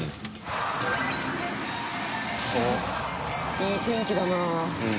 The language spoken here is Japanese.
いい天気だな。）